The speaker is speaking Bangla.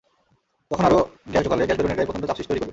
তখন আরও গ্যাস ঢোকালে গ্যাস বেলুনের গায়ে প্রচণ্ড চাপ তৈরি করবে।